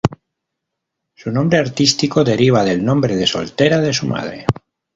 Su nombre artístico deriva del nombre de soltera de su madre.